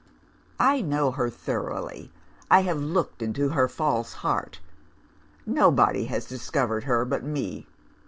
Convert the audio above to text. "'I know her thoroughly; I have looked into her false heart. Nobody has discovered her but me.